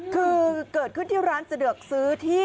คือเกิดขึ้นที่ร้านสะดวกซื้อที่